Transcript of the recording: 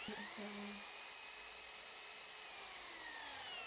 Dnešní kopec ruin byl tehdy nejdůležitějším místem ostrova.